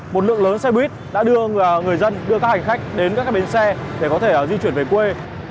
một lượng lớn xe buýt đã đưa người dân đưa các hành khách đến các bến xe để có thể di chuyển về quê